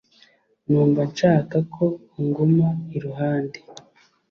numva nshaka ko unguma i ruhande